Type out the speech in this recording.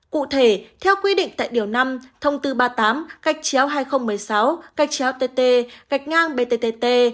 cụ thể theo quy định tại điều năm thông tư ba mươi tám cách chéo hai nghìn một mươi sáu gạch chéo tt gạch ngang btt